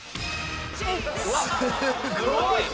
すごい！